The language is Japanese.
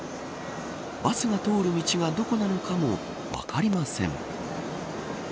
バスが通る道がどこなのかも分かりません。